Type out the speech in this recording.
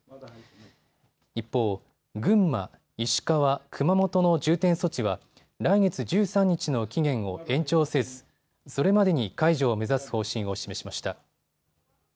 一方、群馬、石川、熊本の重点措置は来月１３日の期限を延長せずそれまでに解除を目指す方針を示しました。